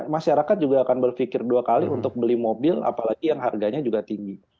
masyarakat juga akan berpikir dua kali untuk beli mobil apalagi yang harganya juga tinggi